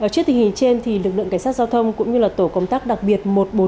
trước tình hình trên lực lượng cảnh sát giao thông cũng như tổ công tác đặc biệt